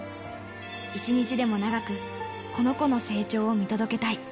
一日でも長くこの子の成長を見届けたい。